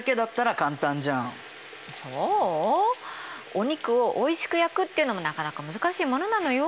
お肉をおいしく焼くっていうのもなかなか難しいものなのよ。